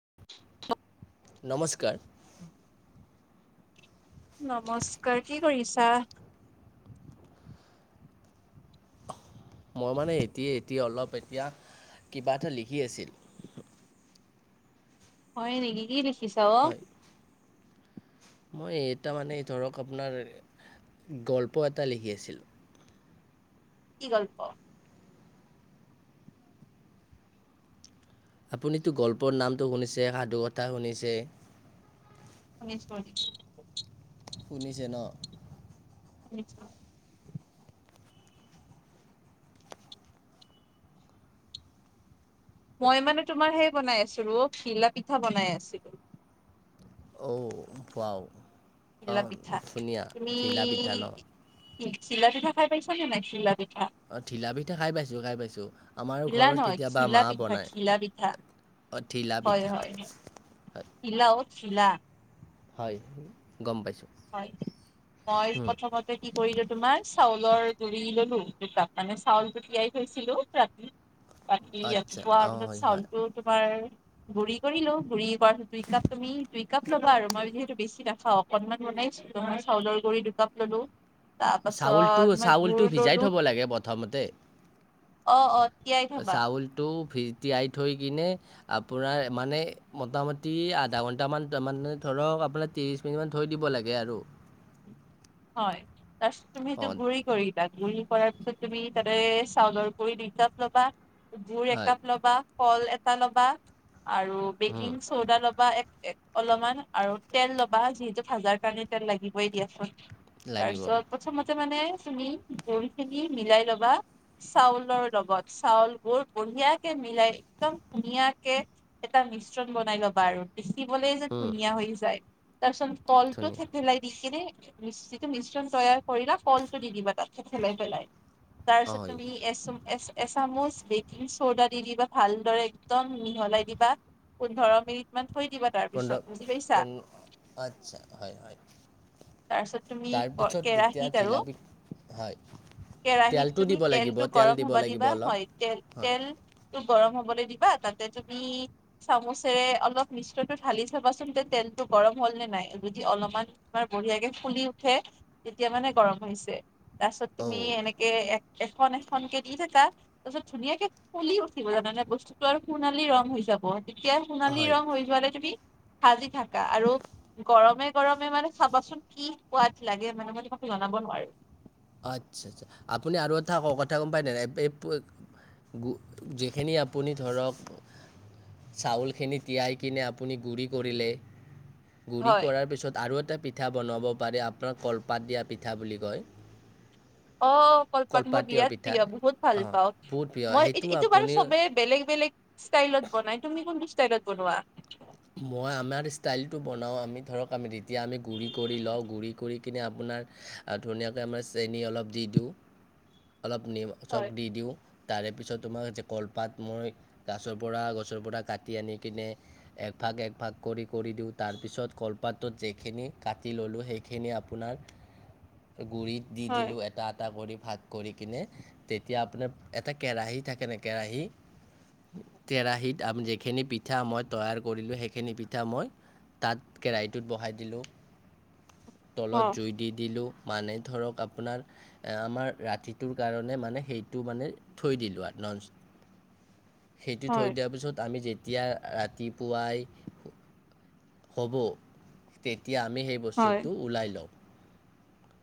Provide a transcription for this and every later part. [inaudible] নমস্কাৰ। নমস্কাৰ। কি কৰিছা? মই মানে এতিয়ে এতি অলপ এতিয়া কিবা এটা লিখি আছিল। হয় নেকি? কি দেখিছা অ? হয় মই এটা মানে ধৰক আপোনাৰ গল্প এটা লিখি আছিলোঁ। কি গল্প? আপুনিতো গল্পৰ নামটো শুনিছে? সাধু কথা শুনিছে? শুনিছোঁ, শুনিছোঁ। শুনিছে ন? শুনিছোঁ। মই মানে তোমাৰ সেই বনাই আছিলো অ ঘিলা পিঠা বনাই আছিলো। অ ৱাও। ঘিলা অঁ পিঠা ধুনীয়া তুমি ঢিলা পিঠা ন চিলা পিঠা খাই পাইছা নে নাই খিলা পিঠ- অ ঢিলা পিঠা খাই পাইছোঁ খাই পাইছোঁ, আমাৰো ঘিলা ঘৰত নহয় কেতিয়াবা ঘিলা মা পিঠা বনায়। ঘিলা পিঠা অ থিলা পিঠা। ঢিলাও চিলা হয়। গম পাইছোঁ হয় মই প্ৰথমতে কি কৰি তোমাৰ চাউলৰ গুৰি ললো দুকাপ মানে চাউলটো তিয়াই থৈছিলো ৰাতি। বাকী আচ্ছা ৰাতিপুৱাৰ অঁ পিছত হয় হয় চাউলটো তোমাৰ গুৰি কৰিলো গুৰি কৰা সি কাপ দুই কাপ তুমি দুই কাপ ল'বা আৰু মই যিহেতু বেছি নাখাও অকনমান বনাইছ দুহাই চাউলৰ গুৰি দুকাপ ললো। চাউলটো তাৰপাছত মই চাউলটো গুুৰ ভিজাই ললো। অ, থ'ব লাগে প্ৰথমতে অ তিয়াই থবা। ফি তিয়াই থৈ কিনে আপোনাৰ মানে মোটামুটি আধা ঘণ্টামান মান ধৰ ধৰক আপোনাৰ তিৰিশ মিনিট মান থৈ দিব লাগে আৰু। হয় তাছ তুমি সেটো অঁ গুড়ি কৰি বা গুৰি কৰাৰ পিছত তুমি তাতে চাউলৰ গুৰি দুই কাপ ল'বা, গুুৰ হয় একাপ ল'বা। কল এটা ল'বা আৰু উম, বেকিং চৌদা ল'বা এক অলপমান আৰু তেল ল'বা যিহেতু ভাজাৰ কাৰণে তেল লাগিবই দিয়াচোন। লাগিব তাৰছত প্ৰথমত মানে তুমি গুৰি খিনি মিলাই ল'বা চাউলৰ লগত। চাউল গুৰ গু- ধুনিয়াকে মিলাই একদম ধুনীয়াকে এটা মিশ্ৰণ বনাই লবা আৰু। দিবলে যে উম, ধুনীয়া হৈ যায় তাৰ পিছত কলটো ধুনীয়া থেফেলাই দি কিনে মিশ্ৰটো মিশ্ৰণ তৈয়াৰ কৰিলা কলটো দি দিবা। ঠেঠেলাই পেলাই তাৰ পিছত হয় তুমি এছ এছ চামুচ বেকিং চ'ডা দি দিবা ভালদৰে একদম মিহলাই দিবা পোন্ধৰ মিনিট মান। থৈ দিবা তাৰপিছত পোন্ধৰ বুজি পাইছা পোন আচ্ছা হয় হয়। তাৰ পিছত তুমি তাৰপিছত যেতিয়া কেৰাহিত আৰু ঘিলা পিঠ হয় কেৰাহীত তেলটো তুমি দিব লাগিব তেলটো তেল গৰম দিব হ'ব লাগিব দিবা অলপ হয় তেল হয় তেল গৰম হবলৈ দিবা তাতে তুমি চামুচেৰে অলপ মিশ্ৰতটো ঢালি চাবাচোন তে তেল তেলটু গৰম হ'ল নে নাই, যদি অলপমান বঢ়িয়াকে ফুলি উঠে তেতিয়া মানে গৰম হৈছে। তাৰপিছত অঁ তুমি এনেকে এখন এখনকে দি থাকা তাৰপিছত ধুনীয়াকে ফুলি উঠিব জানানে বস্তুতটো আৰু সুণালী ৰং হৈ যাব। এতিয়া সোণালী হয় ৰং হৈ যোৱালে তুমি ভাজি থাকা আৰু গৰমে গৰমে মানে চাবাচোন কি সোৱাদ লাগে মানে মই তোমাক জনাব নোৱাৰো। আচ্ছা, আচ্ছা আপুনি আৰু এঠা কওক এটা কথা গম পায়নে এ পো যিখিনি আপুনি ধৰক চাউলখিনি তিয়াই কিনে আপুনি গুৰি কৰিলে। গুৰি হয় কৰাৰ পিছত আৰু এটা পিঠা বনাব পাৰে আপোনাৰ কলপাত দিয়া পিঠা বুলি কয়। অ, কলপাত মোৰ কলপাতীয় বিৰাট পিঠা প্ৰিয় বহুত ভাল অঁ পাওঁ। বহুত প্ৰিয় মই সেইটো এইটো বাৰু আপুনি চবে বেলেগ বেলেগ ষ্টাইলত বনাই। তুমি কোনটো ষ্টাইলত বনোৱা? মই আমাৰ ষ্টাইলটো বনাওঁ আমি ধৰক আমি গুৰি কৰি লও, গুৰি কৰি কিনে আপোন- ধুনীয়াকে আমাৰ চেনি অলপ দি দিওঁ। অলপ নিম চখ হয়, দি দিওঁ। তাৰে পিছত তোমাক কলপাত মই গছৰ পৰা গছৰ পৰা কাটি আনি কিনে একভাগ একভাগ কৰি কৰি দিওঁ তাৰপিছত কলপাতটোত যিখিনি কাটি ল'লোঁ সেইখিনি আপোনাৰ গুৰিত দি হয়, দিলো এটা এটা কৰি। ভাগ কৰি কিনে তেতিয়া আপোনাৰ এটা কেৰাহী থাকেনে কেৰাহী কেৰাহীত যিখিনি পিঠা মই তৈয়াৰ কৰিলোঁ সেইখিনি পিঠা মই তাত কেৰাহীটোত বহাই দিলোঁ। তলত অ', জুই দি দিলোঁ। মানে ধৰক আপোনাৰ আমাৰ ৰাতিটোৰ কাৰণে মানে সেইটো মানে থৈ দিলোঁ আৰু। ননছ সেইটো থৈ হয়, দিয়া পাছত আমি যেতিয়া ৰাত- ৰাতিপুৱাই হ'ব তে তেতিয়া আমি সেই হয়, বস্তুটো ওলাই লওঁ।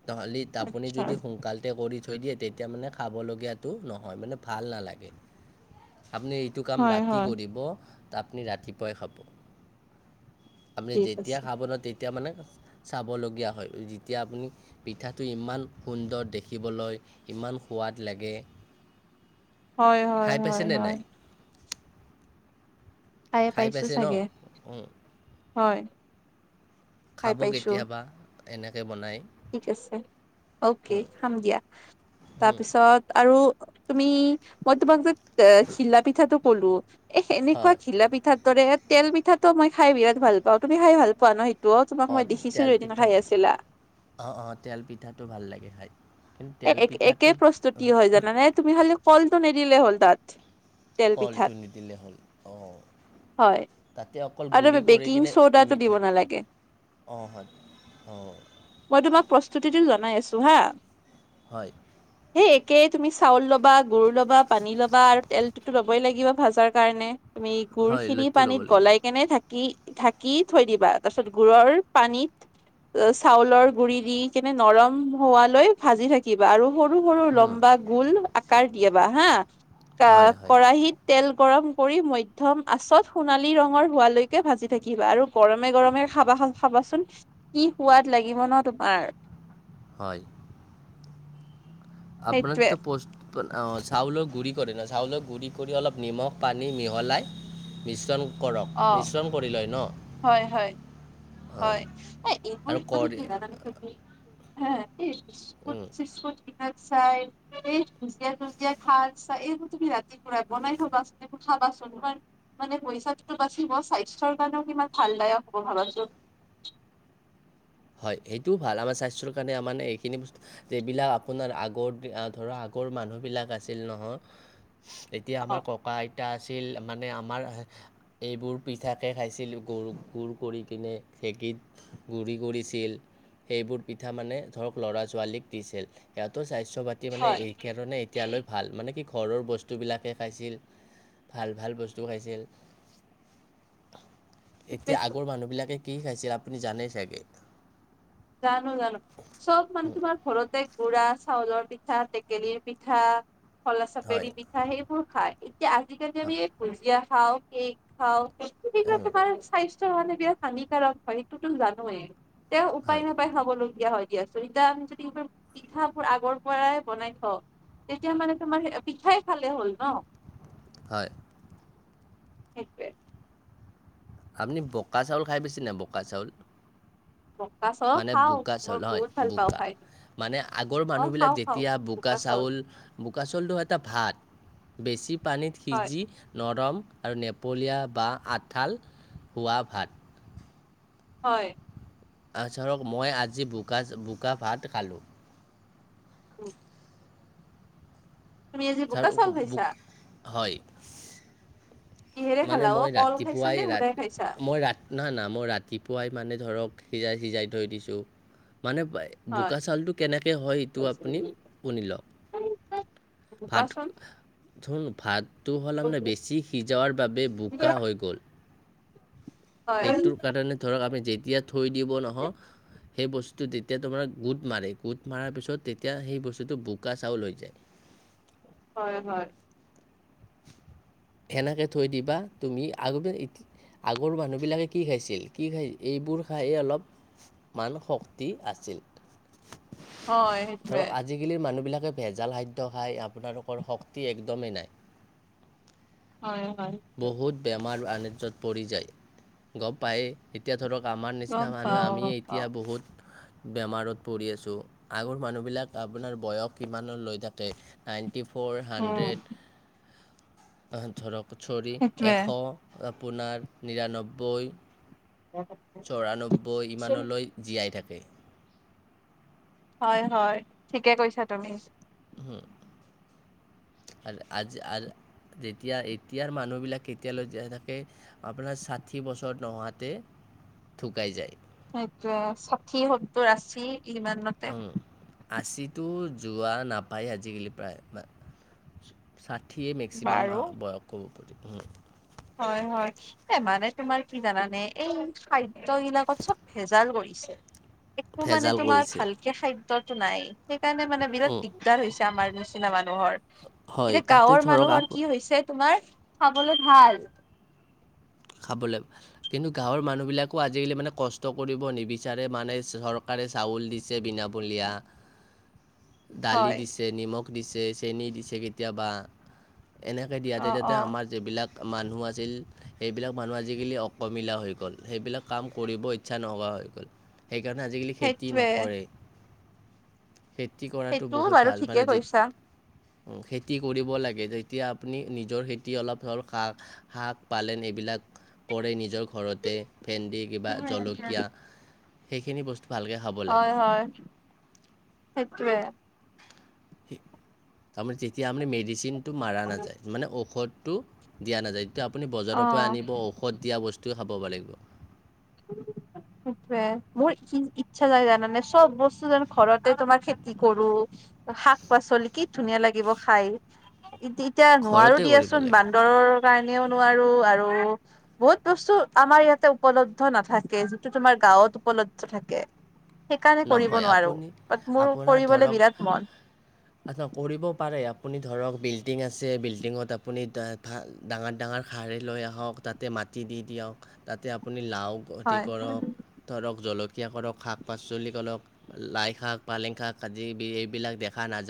তহলি আপুনি আচ্ছা, যদি সোনকালে তে কৰি থৈ দিয়ে তেতিয়া মানে খাবলগীয়াটো নহয় মানে ভাল নালাগে। আপুনি এইটো কাম হয়, ৰাতি হয়, কৰিব [unintelligible] ৰাতিপুৱাই খাব। আপুনি ঠিক যেতিয়া আছে। খাব ন তেতিয়া মানে চাবলগীয়া হয় যেতিয়া আপুনি পিঠাটো ইমান সুন্দৰ দেখিবলৈ ইমান সোৱাদ লাগে। হয়-হয়, খাই হয়- পাইছেনে হয়। নাই খাই পাইছো পাইছে ন চাগে উম, হয়। খাই খাব পাইছো, কেতিয়াবা এনেকে বনাই। ঠিক আছে ওকে খাম দিয়া তাৰপিছত আৰু তুমি মই তোমাক যে ঘিলা পিঠাটো ক'লো এ, হেনকোৱা হয় ঘিলা পিঠাৰ দৰে তেল পিঠাটো মই খাই বিৰাট ভাল পাওঁ তুমি খাই ভাল পোৱা ন সেই [unintelligible] তোমাক মই দেখিছিলো এদিন খাই আছিলা। অ', অ' তেল পিঠাটো ভাল লাগে খাই। কিন্তু তেল একে পিঠাটোত প্ৰস্তুতি হয় জানানে তুমি খালি কলটো নিদিলে হ'ল তাত। তেল কলটো পিঠাত নিদিলেই হ'ল অ, হয় তাতে অকল আৰু গুড়ি কৰি বেকিং কিনে সোডাটো দিব মিঠাই নালাগে। অঁ হয় অঁ মই তোমাক প্ৰস্তুতিটো জনাই আছো হা। হয়। তাকেই তুমি চাউল ল'বা গুৰ ল'বা পানী ল'বা আৰু তেলটোতো ল'বই লাগিব ভাজাৰ কাৰণে। তুমি গুৰ হয় খিনি লুচিটো ল'ব পানীত লাগিব গলাই ঢাকি-ঢাকি থৈ দিবা তাৰ পিছত গুঢ়ৰ পানীত চাউলৰ গুৰি দি কেনে নৰম হোৱালৈ ভাজি থাকিবা আৰু সৰু-সৰু উম, লম্বা গোল আকাৰ দিয়াবা হা হয় হয় কৰাহিত তেল গৰম কৰি মধ্যম আচত সোণালী ৰঙৰ হোৱালৈকে ভাজি থাকিবা আৰু গৰমে-গৰমে খাবা খাবাচোন কি সোৱাদ লাগিব ন তোমাৰ। [unintelligible] হয়। আপোনাৰ সেইটোৱে যেতিয়া পষ্টটো অঁ চাউলৰ গুড়ি কৰে ন চাউলৰ গুড়ি কৰি অলপ নিমখ পানী মিহলাই মিশ্ৰণ কৰক মিশ্ৰণ কৰি লয় ন? হয়-হয়, অঁ হয় [unintelligible] এইবোৰ আৰু তুমি কৰি কি যানানে তুমি উম। তাত চাই [unintelligible] এইবোৰ তুমি ৰাতিপুৰা বনাই থবা চোন এইবোৰ খাব ভাবা চোন মানে পইচাটোতো বাচিব স্বাস্থ্যৰ কাৰণেও কিমান ভালদায়ক হ'ব ভাবাচোন। হয় সেইটোও ভাল আমাৰ স্বাস্থ্যৰ কাৰণে মানে এইখিনি বস্তু এইবিলাক আপোনাৰ আগৰ ধৰা আগৰ মানুহ বিলাক আছিল নহয় এতিয়া আমাৰ অ ককা আইতা আছিল মানে আমাৰ এইবোৰ পিঠাকে খাইছিলো [unintelligible] কৰি কিনে ঢেঁকিত। গুৰি কৰিছিল সেইবোৰ পিঠা মানে ধৰক ল'ৰা ছোৱালীক দিছিল সিহতৰ স্বাস্থ্য পাতি মানে হয় এইকাৰণে এতিয়ালৈ ভাল মানে কি ঘৰৰ বস্তুবিলাকে খাইছিল ভাল-ভাল বস্তু খাইছিল। এতিয়া সেইটোৱেটো আগৰ মানুহ বিলাকে কি খাইছিল আপুনি জানে চাগে। জানো-জানো চব মানে তোমাৰ ঘৰতে গুড়া চাউলৰ পিঠা টেকেলিৰ পিঠা খলা হয় চাপেৰি পিঠা সেইবোৰ খায়। যে আজিকালি আমি ভুজিয়া খাওঁ কেক খাওঁ এইবিলাক হয় তোমাৰ স্বাস্থ্য [unintelligible] হানিকাৰক হয় সেইটোতো জানোয়ে, তেওঁ উপায় হয় নাপায় খাবলগীয়া হয়। [unintelligible] আছো এতিয়া আমি যদি এইবোৰ পিঠাবোৰ আগৰ পৰাই বনাই থওঁ তেতিয়া মানে তোমাৰ পিঠাই খালে হ'ল ন। হয়। সেইটোৱে। আপনি বকা চাউল খাই পাইচি না বকা চাউল? পকা চাউল মানে খাওঁ বোকা মই চাউল হয় বহুত ভাল পাওঁ বোকা। খাই মানে আগৰ অ মানুহবিলাক খাওঁ খাওঁ যেতিয়া বোকা চাউল বোকা চাউলটো এটা ভাত। বেছি পানীত হয় সিজি নৰম আৰু নেপলীয়া বা আঁঠাল, হোৱা ভাত। হয় ধৰক মই আজি বোকা, বোকা ভাত খালোঁ। উম, তুমি আজি ছাৰ বোকা বো চাউল খাইছা বোক হয়। কিহেৰে খালা মানে অ মই কল খাইছা ৰাতিপুৱাই নে সুদাই ৰাত, খাইছা মই ৰা নহ না মই ৰাতিপুৱাই মানে ধৰক সিজাই সিজাই থৈ দিছোঁ। মানে হয় বোকা চাউলটো কেনেকৈ হয় সেইটো আপুনি শুনি লওক ভাত কোৱাচোন ধুং ভাত ত' হ'ল মানে বেছি সিজাৱাৰ বাবে বোকা হৈ গ'ল। হয় সেইটোৰ কাৰণে ধৰক আমি যেতিয়া থৈ দিব নহওঁ। সেই বস্তুটো যেতিয়া তোমাৰ গোট মাৰে গোট মাৰাৰ পিছত তেতিয়া সেই বস্তুটো বোকা চাউল হৈ যায়। [inaudible] হয় হয়। [inaudible] সেনেকে থৈ দিবা তুমি আগ [unintelligible] [inaudible] আগৰ মানুহবিলাকে কি খাইছিল কি খাই এইবোৰ খাইয়ে অলপ মান শক্তি আছে। হয় [unintelligible] [inaudible] সেইটোৱে ধৰক আজিকালিৰ মানুহবিলাক ভেজাল খাদ্য খাই আপোনালোকৰ শক্তি একদমেই নাই। হয় হয় বহুত বেমাৰ আনিজ্যত পৰি যায়, গম পায় এতিয়া ধৰক আমাৰ নিচিনা গম মানুহে পাও আমিয়ে গম এতিয়া পাও বহুত বেমাৰত পৰি আছোঁ, আগৰ মানুহবিলাক আপোনাৰ বয়স কিমান লৈ থাকে nine forty four um hundred, ধৰক চৰি সেইটোৱে এশ। [inaudible] আপোনাৰ নিৰান্নব্বৈ। চৌৰান্নব্বৈ ইমানলৈ জীয়াই থাকে। হয় হয় ঠিকে কৈছা তুমি। উম হেল আজি আল যেতিয়া এতিয়াৰ মানুহবিলাক কেতিয়ালৈ জীয়াই থাকে আপোনাৰ ষাঠি বছৰ নহাতে থুকাই যায়। সেইটোৱে ষাঠি, সত্তৰ, আশী ইমানতে। উম, আশীটো যোৱা নাপায় আজিকালি প্ৰায় বা উঠিয়েই মেক্সিমাম [unintelligible] বাৰু হয় হয় এ মানে তোমাৰ কি জানানে এই খাদ দ্য বিলাকত চব ভেজাল কৰিছে। একো মানে ভেজাল তোমাৰ কৰিছে। ভালকে খাদ্যতো নাই। সেইকাৰণে মানে বিৰাট উম, দিগদাৰ হৈছে আমাৰ নিচিনা মানুহৰ। হয় এতিয়া তাতে গাঁৱৰ ধৰক আপ মানুহৰ কি হৈছে তোমাৰ খাবলৈ ভাল। খাবলৈ কিন্তু গাঁৱৰ মানুহবিলাকো আজিকালি মানে কষ্ট কৰিব নিবিচাৰে মানে চৰকাৰ ৰে চাউল দিছে বিনামূলীয়া দালি হয় দিছে নিমখ দিছে চেনি দিছে কেতিয়াবা, এনেকে অ দিয়াতে তাতে অ আমাৰ যিবিলাক মানুহ আছিল। এইবিলাক মানুহ আজিকালি অকমিলা হৈ গ'ল সেইবিলাক কাম কৰিব ইচ্ছা নোহোৱা হৈ গ'ল। সেইকাৰণে আজিকালি খেতি সেইটোৱে নকৰে। খেতি কৰাটো সেইটো বহুত বাৰু ভাল ঠিকে মানে যে কৈছা খেতি কৰিব লাগে, যেতিয়া আপুনি নিজৰ খেতি অলপ হওক শ শাক পালেং বিলাক কৰে নিজৰ ঘৰতে, ভেন্দি কিবা জলকীয়া সেইখিনি বস্তু ভালকৈ খাব হয় লাগে হয়, সেইটোৱে। তাৰমানে যেতিয়া আপনি মেডিচিনটো মাৰা নাযায় মানে ঔষধ টো দিয়া নাযায়, এতিয়া আপুনি অ বজাৰৰ পৰা আনিব ঔষধ দিয়া বস্তুৱে খাব পাৰে। [inaudible] সেইটোৱে। মোৰ ই ইচ্ছা যায় জানানে চব বস্তু জানো ঘৰতে তোমাৰ খেতি কৰো। শাক-পাচলি কি ধুনীয়া লাগিব খাই। এতিয়া নোৱাৰো ঘৰতে কৰিব দিয়াচোন লাগে বান্দৰৰ কাৰণে ও নোৱাৰো আৰু বহুত বস্তু আমাৰ ইয়াতে উপলব্ধ- নাথাকে যিটো তোমাৰ গাঁৱত উপলব্ধ থাকে। সেইকাৰণে কৰিব নহয় নোৱাৰো। আপুনি বাট মোৰ আপোনাৰ কৰিবলৈ ধৰক বিৰাট মন। আচ্ছা। কৰিব পাৰে আপ- আপুনি ধৰক বিল্ডিং আছে। বিল্ডিঙত আপুনি দা ধা ডাঙৰ ডাঙৰ শাৰী লৈ আহক তাতে মাট- টি দিয়ক তাতে আপুনি লাও খেতি হয় কৰক, ধৰক জলকীয়া কৰক শাক-পাচ- চুলি কলক লাই শাক, পালেং শাক আজি এইবিলাক দেখা নাযায়।